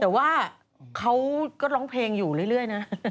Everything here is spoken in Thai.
แต่ว่าเขาก็ร้องเพลงอยู่เรื่อยนะ